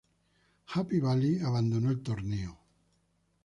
Happy Valley abandonó el torneo.